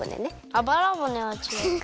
あばらぼねはちがう。